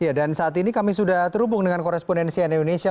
ya dan saat ini kami sudah terhubung dengan korespondensi nn indonesia